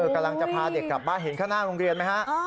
กำลังจะพาเด็กกลับบ้านเห็นข้างหน้าโรงเรียนไหมฮะ